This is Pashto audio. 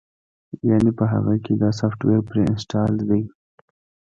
يعنې پۀ هغۀ کښې دا سافټوېر پري انسټالډ دے